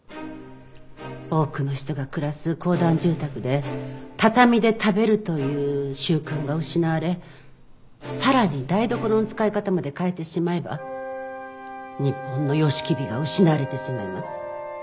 多くの人が暮らす公団住宅で畳で食べるという習慣が失われさらに台所の使い方まで変えてしまえば日本の様式美が失われてしまいます。